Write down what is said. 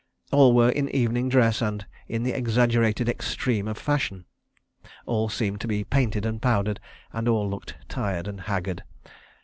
All were in evening dress and in the exaggerated extreme of fashion. All seemed to be painted and powdered, and all looked tired and haggard.